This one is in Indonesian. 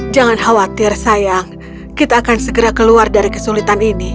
jangan khawatir sayang kita akan segera keluar dari kesulitan ini